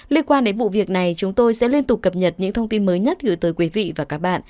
liên quan đến vụ việc này chúng tôi sẽ liên tục cập nhật những thông tin mới nhất gửi tới quý vị và các bạn